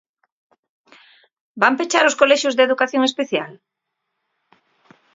Van pechar os colexios de educación especial?